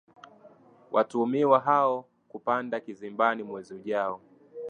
watuhumiwa hao kupanda kizimbani mwezi ujao